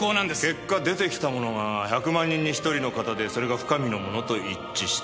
結果出てきたものが１００万人に１人の型でそれが深見のものと一致した。